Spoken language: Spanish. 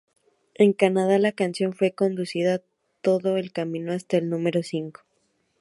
En Canadá, la canción fue conducida todo el camino hasta el número cinco.